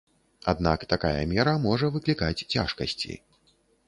Аднак такая мера можа выклікаць цяжкасці.